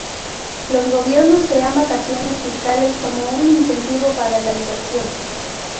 Los gobiernos crean vacaciones fiscales como un incentivo para la inversión.